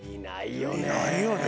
いないよね。